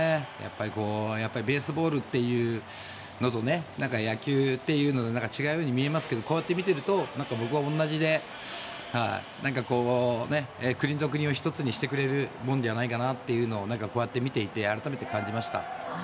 ベースボールというのと野球というのは違うように見えますがこう見ると僕は同じで国と国を一つにしてくれるものじゃないかなってこうやって見ていて改めて感じました。